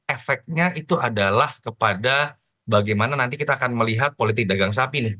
efeknya itu adalah kepada bagaimana nanti kita akan melihat politik dagang sapi nih